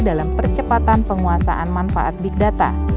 dalam percepatan penguasaan manfaat big data